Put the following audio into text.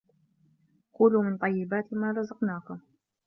كُلُوا مِنْ طَيِّبَاتِ مَا رَزَقْنَاكُمْ ۖ